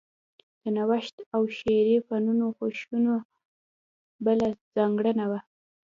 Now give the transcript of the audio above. د نوښت او شعري فنونو خوښونه بله ځانګړنه وه